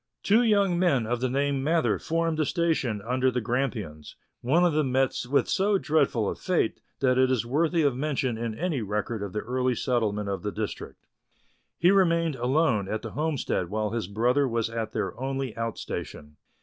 Two young men of the name of Mather formed a station under the Grampians ; one of them met with so dreadful a fate that it is worthy of mention in any record of the early settlement of the district. He remained alone at the homestead while his brother was at their only out station.